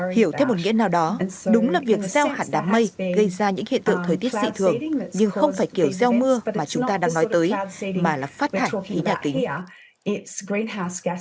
hiểu thêm một nghĩa nào đó đúng là việc gieo hạt đám mây gây ra những hiện tượng thời tiết dị thường nhưng không phải kiểu gieo mưa mà chúng ta đang nói tới mà là phát thải khí nhà kính